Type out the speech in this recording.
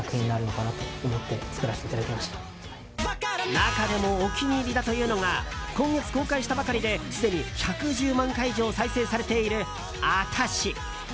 中でもお気に入りだというのが今月公開したばかりですでに１１０万回以上再生されている、「アタシ」。